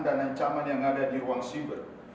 dan ancaman yang ada di ruang cyber